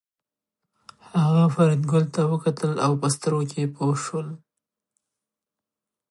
هغه فریدګل ته وکتل او په سترګو کې پوه شول